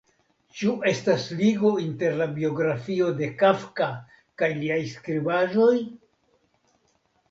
Ĉu estas ligo inter la biografio de Kafka kaj liaj skribaĵoj?